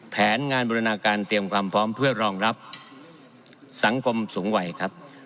แผนงานบูรณาการเตรียมความพร้อมเพื่อรองรับสังคมสูงวัยครับ